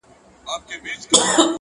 • ورته وگورې په مــــــيـــنـــه؛